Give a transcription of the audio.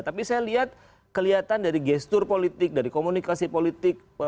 tapi saya lihat kelihatan dari gestur politik dari komunikasi politik